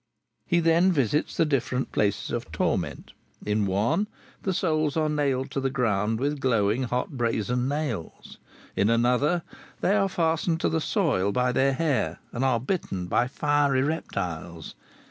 He then visits the different places of torment. In one, the souls are nailed to the ground with glowing hot brazen nails; in another they are fastened to the soil by their hair, and are bitten by fiery reptiles.